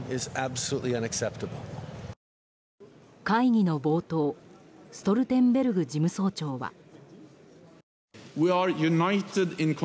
会議の冒頭ストルテンベルグ事務総長は。